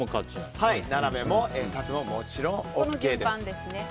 斜めも縦ももちろんＯＫです。